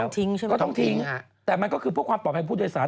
ก็ต้องทิ้งใช่ไหมครับก็ต้องทิ้งแต่มันก็คือพวกความปลอดภัยผู้โดยสาร